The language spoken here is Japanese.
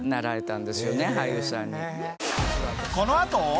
このあと。